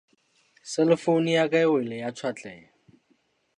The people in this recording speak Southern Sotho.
Selefounu ya ka e wele ya tjhwatleha.